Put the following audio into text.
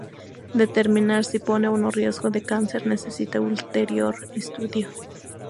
Determinar si pone o no riesgo de cáncer necesita ulterior estudio.